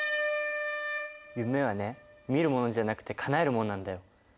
夢はね見るものじゃなくてかなえるものなんだよ。